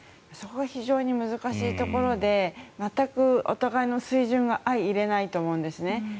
そこは非常に難しいところで全くお互いの水準が相いれないと思うんですね。